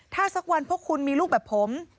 ถ้าสักวันพวกคุณมีลูกแบบผม